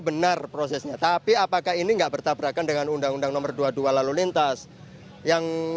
benar prosesnya tapi apakah ini enggak bertabrakan dengan undang undang nomor dua puluh dua lalu lintas yang